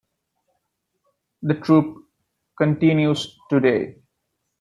The troop continues today.